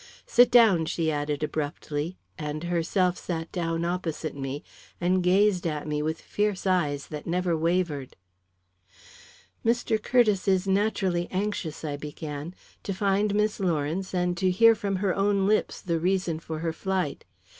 "Sit down," she added abruptly, and herself sat down opposite me, and gazed at me with fierce eyes that never wavered. "Mr. Curtiss is naturally anxious," I began, "to find Miss Lawrence and to hear from her own lips the reason for her flight.